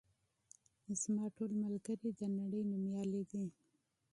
زما ټول دوستان د نړۍ نومیالي دي.